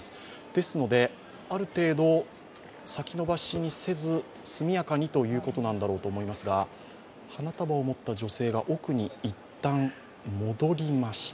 ですのである程度先延ばしにせず速やかにということなんだろうと思いますが、花束を持った女性が奥に一旦戻りました。